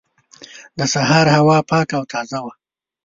د سهار هوا پاکه او تازه وه.